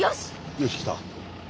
よし来た。